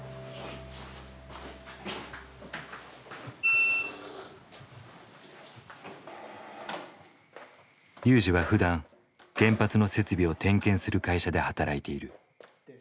ＲＹＵＪＩはふだん原発の設備を点検する会社で働いている。